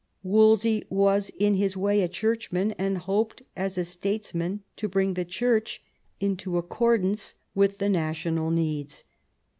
Wolsey was in his way a churchman, and hoped as a statesman to bring the Church into accordance with the national needs.